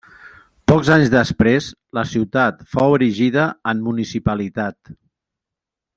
Pocs anys després la ciutat fou erigida en municipalitat.